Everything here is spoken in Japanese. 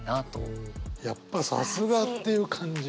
やっぱさすがっていう感じ。